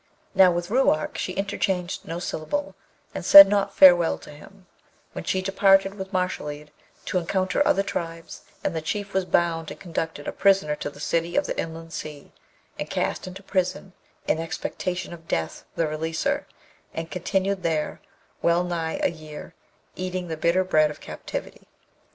Now, with Ruark she interchanged no syllable, and said not farewell to him when she departed with Mashalleed, to encounter other tribes; and the Chief was bound and conducted a prisoner to the city of the inland sea, and cast into prison, in expectation of Death the releaser, and continued there wellnigh a year, eating the bitter bread of captivity.